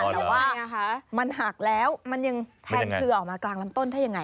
แต่ว่ามันหักแล้วมันยังแทงเครือออกมากลางลำต้นได้ยังไง